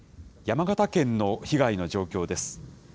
山形県の被害の状況です。